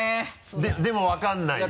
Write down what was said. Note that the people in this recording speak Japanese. でも分かんないよ？